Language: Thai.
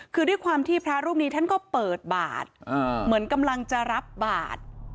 คือด้วยความที่พระรูปนี้ท่านก็เปิดบาทเหมือนกำลังจะรับบาท